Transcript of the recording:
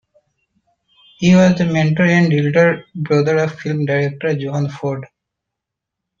He was the mentor and elder brother of film director John Ford.